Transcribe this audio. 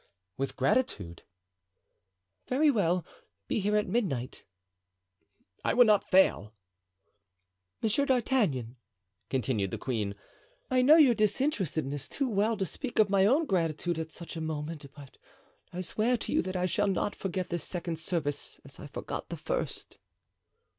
"With gratitude." "Very well, be here at midnight." "I will not fail." "Monsieur d'Artagnan," continued the queen, "I know your disinterestedness too well to speak of my own gratitude at such a moment, but I swear to you that I shall not forget this second service as I forgot the first."